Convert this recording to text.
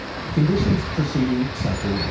CONDITIONS PRECEDING CYCLE 1.